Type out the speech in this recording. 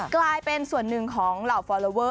กลายเป็นส่วนหนึ่งของเหล่าฟอลลอเวอร์